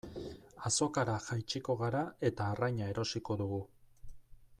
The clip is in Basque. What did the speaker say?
Azokara jaitsiko gara eta arraina erosiko dugu.